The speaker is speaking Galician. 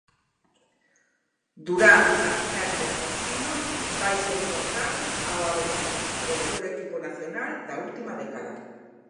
Durán Maquinaria Ensino vaise enfrontar ao Avenida, o mellor equipo nacional da última década.